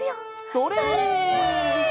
それ！